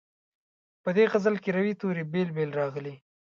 په دې غزل کې روي توري بېل بېل راغلي.